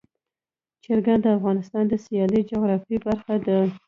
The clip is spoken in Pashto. چرګان د افغانستان د سیاسي جغرافیه برخه ده.